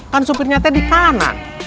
kan sopirnya di kanan